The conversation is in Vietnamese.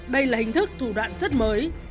đây là hình thức thủ đoạn rất mới